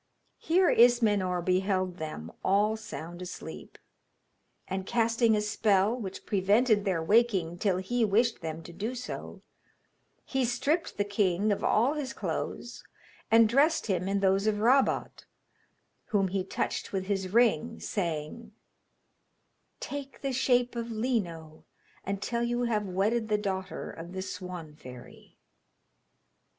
Here Ismenor beheld them, all sound asleep; and casting a spell which prevented their waking till he wished them to do so, he stripped the king of all his clothes and dressed him in those of Rabot, whom he touched with his ring, saying: 'Take the shape of Lino until you have wedded the daughter of the Swan fairy.'